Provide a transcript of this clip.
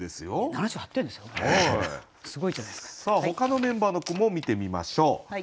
ほかのメンバーの句も見てみましょう。